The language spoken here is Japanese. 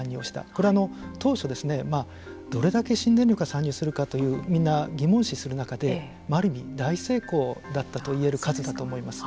これは当初どれだけ新電力が参入するかというみんな疑問視する中である意味、大成功と言える数だったと思います。